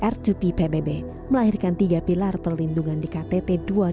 r dua p pbb melahirkan tiga pilar perlindungan di ktt dua ribu lima